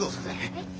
はい。